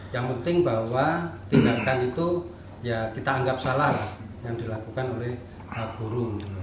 yang penting bahwa tindakan itu ya kita anggap salah yang dilakukan oleh guru